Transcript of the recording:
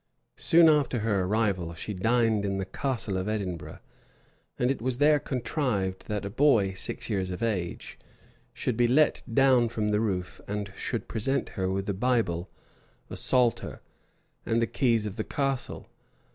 Soon after her arrival, she dined in the Castle of Edinburgh; and it was there contrived, that a boy, six years of age, should be let down from the roof, and should present her with a Bible, a Psalter, and the keys of the castle.